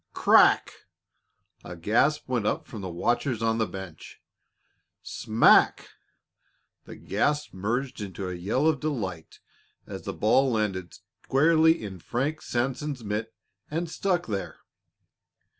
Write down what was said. Crack! A gasp went up from the watchers on the bench. Smack! The gasp merged into a yell of delight as the ball landed squarely in Frank Sanson's mitt and stuck there.